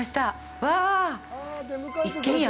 うわぁ、一軒家。